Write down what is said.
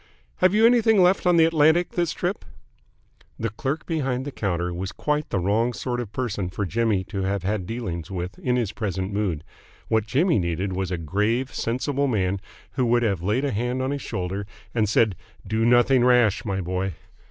"Have you anything left on the Atlantic this trip?" The clerk behind the counter was quite the wrong sort of person for Jimmy to have had dealings with in his present mood. What Jimmy needed was a grave, sensible man who would have laid a hand on his shoulder and said "Do nothing rash, my boy!"